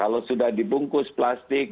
kalau sudah dibungkus plastik